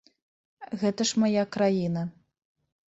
Гэта ж мая краіна.